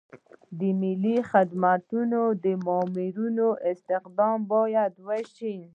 د ملکي خدمتونو د مامورینو استخدام باید وشي.